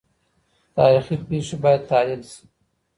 تاريخي پېښې بايد تحليل سي.